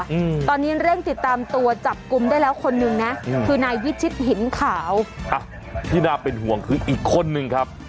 อืมตอนนี้เร่งติดตามตัวจับกลุ่มได้แล้วคนหนึ่งนะคือนายวิชิตหินขาวอ่ะที่น่าเป็นห่วงคืออีกคนนึงครับ